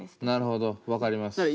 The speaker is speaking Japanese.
なるほど分かります。